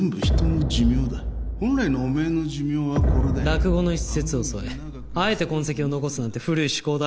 落語の一節を添えあえて痕跡を残すなんて古い趣向だ。